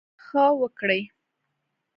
ښه وکړٸ.